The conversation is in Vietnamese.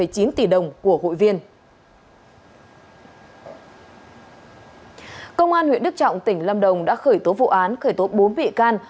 công an huyện đức trọng tỉnh lâm đồng đã khởi tố vụ án khởi tố bốn bị can